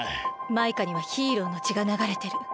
マイカにはヒーローのちがながれてる。